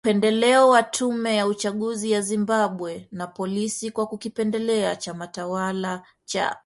upendeleo wa tume ya uchaguzi ya Zimbabwe, na polisi kwa kukipendelea chama tawala cha